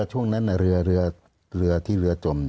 ช่วงนั้นเรือที่เรือจม